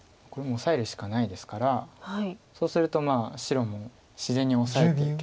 これもオサえるしかないですからそうすると白も自然にオサえて。